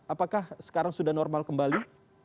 apakah sekarang sudah normal kembali